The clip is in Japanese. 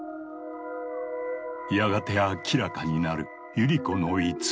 やがて明らかになるユリ子の偽り。